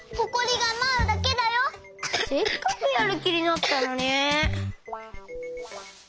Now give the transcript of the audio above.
せっかくやるきになったのに。